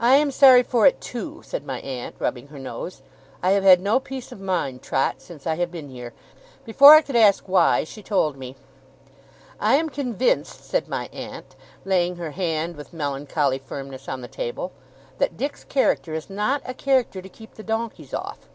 'I am sorry for it, too,' said my aunt, rubbing her nose. 'I have had no peace of mind, Trot, since I have been here.' Before I could ask why, she told me. 'I am convinced,' said my aunt, laying her hand with melancholy firmness on the table, 'that Dick's character is not a character to keep the donkeys off.